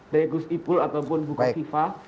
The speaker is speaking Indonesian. dari gus ipul ataupun bukaviva